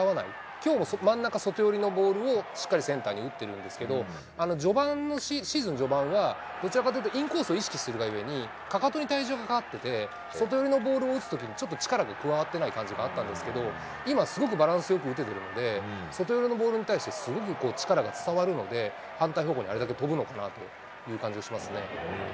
きょうも真ん中外寄りのボールをしっかりセンターに打ってるんですけど、シーズン序盤は、どちらかというと、インコースを意識するがゆえに、かかとに体重がかかってて、外寄りのボールを打つときに、ちょっと力が加わってない感じがあったんですけど、今、すごくバランスよく打ててるので、外寄りのボールに対してすごく力が伝わるので、反対方向にあれだけ飛ぶのかなという感じがしますね。